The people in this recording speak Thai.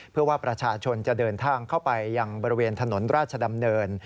เพื่อว่าประชาชนจะเดินทางเข้าไปยังบริเวณถนนราชดำเนิน